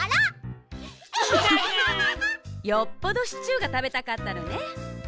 よっぽどシチューがたべたかったのね。